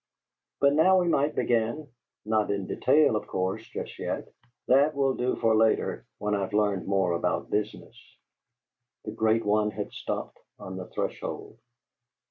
But now we might begin; not in detail, of course, just yet. That will do for later, when I've learned more about business." The great one had stopped on the threshold.